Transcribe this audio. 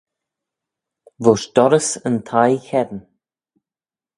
Voish dorrys yn thie cheddin.